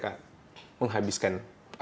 kenapa mereka menghabiskan atau mencari